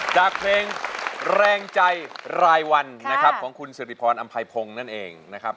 จากเพลงแรงใจรายวันนะครับของคุณสิริพรอำไพพงศ์นั่นเองนะครับ